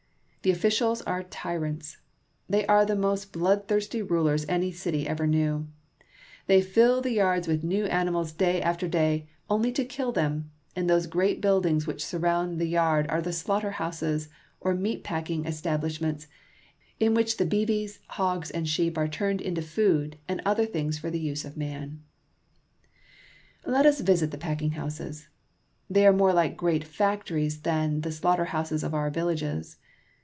The officials are tyrants. They are the most bloodthirsty rulers any city ever knew. They fill the yards with new animals day after day, only to kill them ; and those great buildings which surround the yards are the slaughterhouses or meat packing establish ments, in which the beeves, hogs, and sheep are turned into food and other things for the use of man. CARP. N. AM. — 15 232' CHICAGO. Let us visit the packing houses. They are more Hke great factories than the slaughterhouses of our villages.